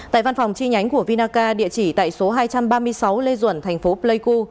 tại văn phòng chi nhánh của vinaca địa chỉ tại số hai trăm ba mươi sáu lê duẩn thành phố pleiku